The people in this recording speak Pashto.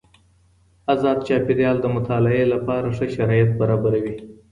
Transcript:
ازاد چاپیریال د مطالعې لپاره ښه شرايط برابروي.